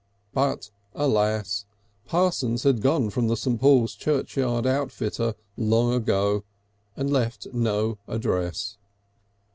But alas! Parsons had gone from the St. Paul's Churchyard outfitter's long ago, and left no address.